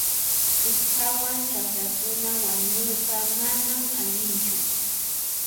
Usphawan chakrakuna wanuyqa manan allinchu.